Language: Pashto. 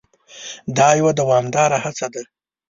دا یوه دوامداره هڅه ده.